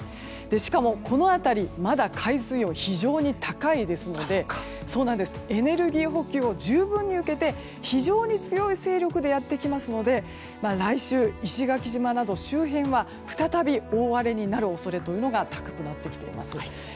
しかも、この辺りまだ海水温が非常に高いのでエネルギー補給を十分に受けて非常に強い勢力でやってきますので来週、石垣島など周辺は再び大荒れになる恐れが高くなってきています。